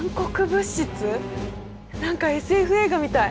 何かＳＦ映画みたい。